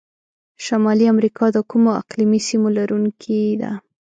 شمالي امریکا د کومو اقلیمي سیمو لرونکي ده؟